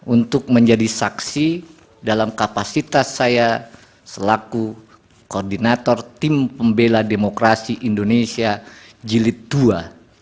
untuk menjadi saksi dalam kapasitas saya selaku koordinator tim pembela demokrasi indonesia jilid ii